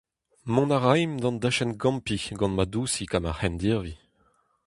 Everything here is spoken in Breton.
Mont a raimp d'an dachenn-gampiñ gant ma dousig ha ma c'hendirvi.